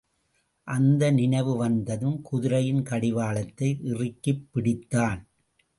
அந்த நினைவு வந்ததும், குதிரையின் கடிவாளத்தை இறுக்கிப் பிடித்தான்.